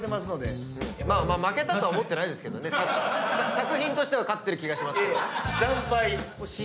作品としては勝ってる気がしますけど。